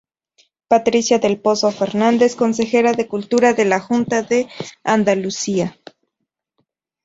Patricia del Pozo Fernández, Consejera de Cultura de la Junta de Andalucía.